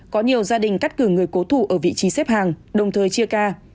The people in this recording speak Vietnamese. có nhiều gia đình cắt cử người cố thủ ở vị trí xếp hàng đồng thời chia ca